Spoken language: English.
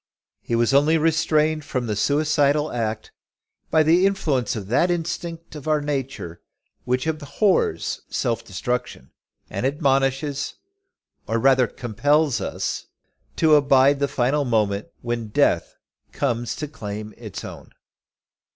He was only restrained from the suicidal act, by the influence of that instinct of our nature, which abhors self destruction, and admonishes, or rather compels us, to abide the final moment when death comes to claim us as its own.